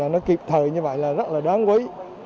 nó kịp thời như vậy là rất là đáng quý